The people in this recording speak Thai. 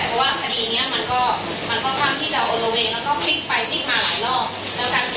เพราะว่าคดีเนี่ยมันก็ค่อนข้างที่เราเอาละเวมันก็พลิกไปพลิกมาหลายรอบ